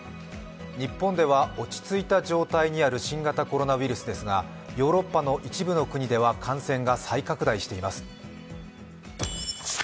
日本では落ち着いた状態にある新型コロナウイルスですがヨーロッパの一部の国では感染が再拡大しています。